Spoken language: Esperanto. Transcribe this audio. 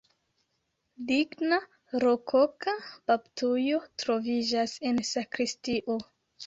Ligna rokoka baptujo troviĝas en sakristio.